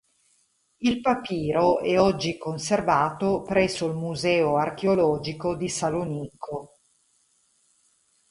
Il papiro è oggi conservato presso il Museo archeologico di Salonicco.